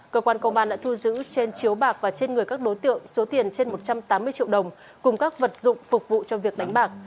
cơ quan công an đã thu giữ trên chiếu bạc và trên người các đối tượng số tiền trên một trăm tám mươi triệu đồng cùng các vật dụng phục vụ cho việc đánh bạc